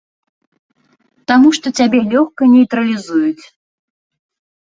Таму што цябе лёгка нейтралізуюць.